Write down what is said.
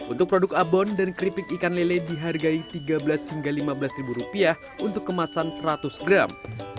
untuk produk abon dan keripik ikan lele dihargai tiga belas hingga lima belas ribu rupiah untuk kemasan seratus gram